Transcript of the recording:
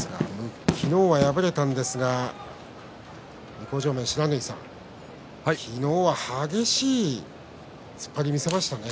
昨日は敗れたんですが不知火さん、昨日は激しい突っ張りを見せましたね。